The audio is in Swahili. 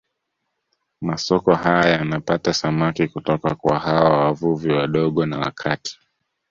Masoko haya yanapata samaki kutoka kwa hawa wavuvi wadogo na wa kati